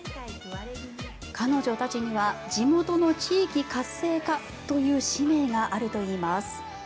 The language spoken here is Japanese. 彼女たちには地元の地域活性化という使命があるといいます。